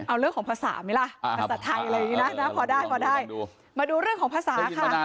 เอาเรื่องของภาษาไหมล่ะภาษาไทยอะไรอย่างนี้นะพอได้พอได้มาดูเรื่องของภาษาค่ะ